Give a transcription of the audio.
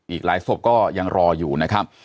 อีกหลายศพก็ยังรออยู่นะครับ